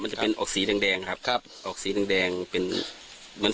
มันจะเป็นออกสีแดงแดงครับครับออกสีแดงแดงเป็นเหมือน